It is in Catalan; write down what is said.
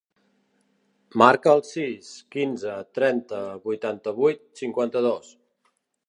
Marca el sis, quinze, trenta, vuitanta-vuit, cinquanta-dos.